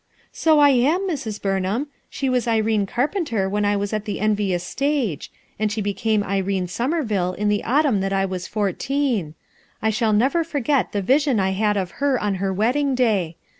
"So I am, Mrs, Burnhanu She was Irene Carpenter when I was at the envious stagp; and she became Irene Somervillc in the autumn tliat I was fourteen, I ^mll never forget the virion I had of her on her wedding day.